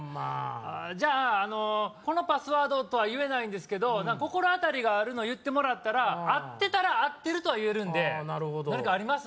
じゃあこのパスワードとは言えないんですけど心当たりがあるの言ってもらったら合ってたら合ってるとは言えるあーなるほど何かあります？